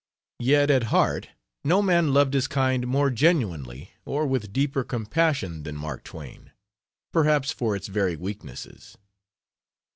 Yet, at heart, no man loved his kind more genuinely, or with deeper compassion, than Mark Twain, perhaps for its very weaknesses.